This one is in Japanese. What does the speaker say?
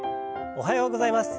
おはようございます。